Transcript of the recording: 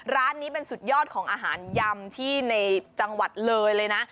ร้านนี้เป็นสุดยอดของอาหารยำที่ในจังหวัดเลยเลยนะ